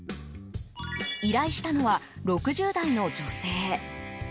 依頼したのは６０代の女性。